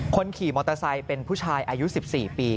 คนขี่มอเตอร์ไซค์เป็นผู้ชายอายุ๑๔ปี